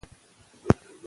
څه وخت باید خلک واکسین شي؟